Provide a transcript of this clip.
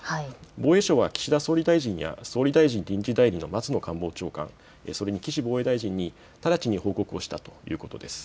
防衛省は岸田総理大臣や総理大臣臨時代理の松野官房長官、それに岸防衛大臣に直ちに報告をしたということです。